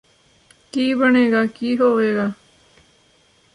ਕੀ ਬਣੇਗਾ ਕੀ ਹੋਵੇਗਾ